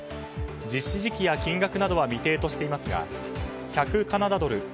実施時期や金額などは未定としていますが１００カナダドル